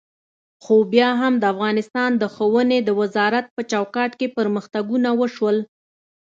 خو بیا هم د افغانستان د ښوونې د وزارت په چوکاټ کې پرمختګونه وشول.